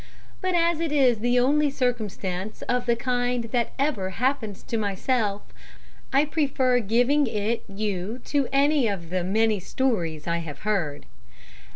"but as it is the only circumstance of the kind that ever happened to myself, I prefer giving it you to any of the many stories I have heard.